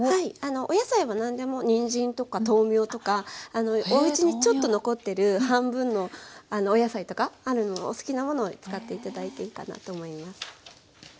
お野菜は何でもにんじんとか豆苗とかおうちにちょっと残ってる半分のお野菜とかあるのをお好きなものを使って頂いていいかなと思います。